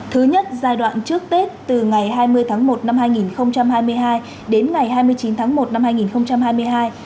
thứ nhất giai đoạn trước tết từ ngày hai mươi tháng một năm hai nghìn hai mươi hai đến ngày hai mươi chín tháng một năm hai nghìn hai mươi hai